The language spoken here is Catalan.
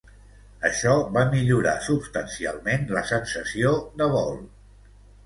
Això va millorar substancialment la sensació de vol.